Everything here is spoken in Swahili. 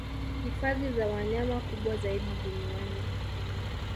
Hifadhi za wanyama kubwa zaidi duniani